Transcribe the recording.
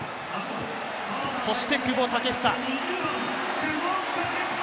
そして、久保建英。